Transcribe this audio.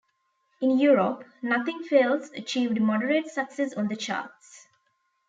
In Europe, "Nothing Fails" achieved moderate success on the charts.